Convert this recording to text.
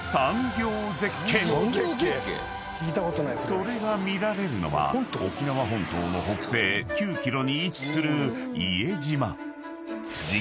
［それが見られるのは沖縄本島の北西９ｋｍに位置する］